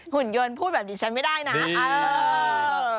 หุ่นยนต์พูดแบบนี้ฉันไม่ได้นะ